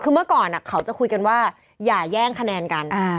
คือเมื่อก่อนเขาจะคุยกันว่าอย่าแย่งคะแนนกัน